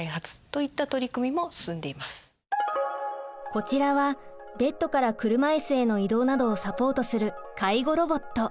こちらはベッドから車椅子への移動などをサポートする介護ロボット。